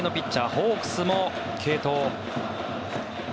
ホークスも継投。